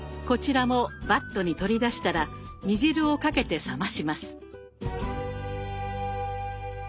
こちらもバットに取り出したら煮汁をかけて冷まします。